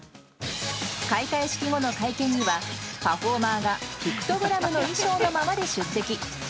開会式後の会見にはパフォーマーがピクトグラムの衣装のままで出席。